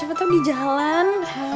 gimana tuh di jalan